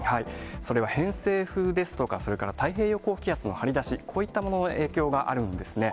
それは偏西風ですとか、それから太平洋高気圧の張り出し、こういったものの影響があるんですね。